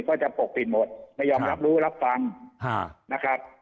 ก็จะปกปิดหมดไม่ยอมรับรู้รับฟังนะครับ